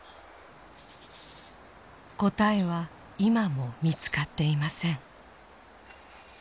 答えは今も見つかっていません。